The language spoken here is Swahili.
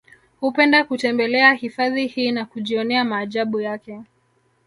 Hupenda kutembelea hifadhi hii na kujionea maajabu yake